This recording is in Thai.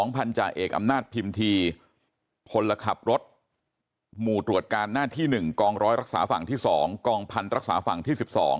พันธาเอกอำนาจพิมพีพลขับรถหมู่ตรวจการหน้าที่๑กองร้อยรักษาฝั่งที่๒กองพันธ์รักษาฝั่งที่๑๒